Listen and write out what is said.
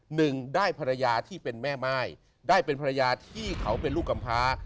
หนึ่งได้ภรรยาที่เป็นแม่ม่ายได้เป็นภรรยาที่เขาเป็นลูกกำพา